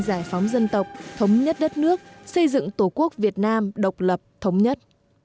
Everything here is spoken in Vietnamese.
giải phóng dân tộc thống nhất đất nước xây dựng tổ quốc việt nam độc lập thống nhất